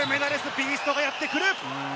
ビーストがやってくる！